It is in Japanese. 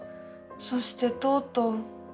そしてとうとう。